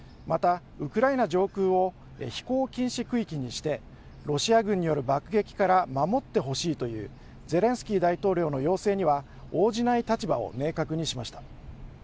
またウクライナ上空を飛行禁止区域にしてロシア軍による爆撃から守ってほしいというゼレンスキー大統領の要請には応じない立場を明確にしました。